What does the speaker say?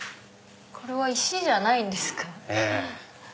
これは石じゃないんですか？